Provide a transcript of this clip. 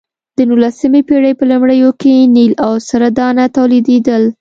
د نولسمې پېړۍ په لومړیو کې نیل او سره دانه تولیدېدل.